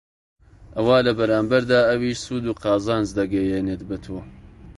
ئەوا لە بەرامبەردا ئەویش سوود و قازانج دەگەیەنێت بەتۆ